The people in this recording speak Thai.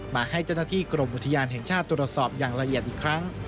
มาให้เจ้าหน้าที่กรมอุทยานแห่งชาติตรวจสอบอย่างละเอียดอีกครั้ง